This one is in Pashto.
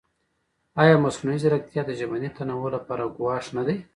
ایا مصنوعي ځیرکتیا د ژبني تنوع لپاره ګواښ نه دی؟